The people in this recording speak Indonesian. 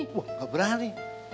wah gak berani